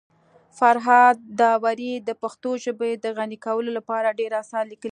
فرهاد داوري د پښتو ژبي د غني کولو لپاره ډير اثار لیکلي دي.